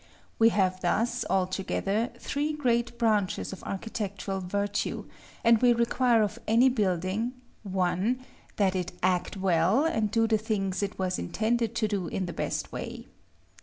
We have thus, altogether, three great branches of architectural virtue, and we require of any building, 1. That it act well, and do the things it was intended to do in the best way.